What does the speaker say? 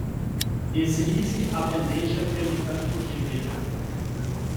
Deslize a bandeja pelo tampo de vidro.